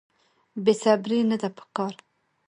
بې صبري نه ده په کار.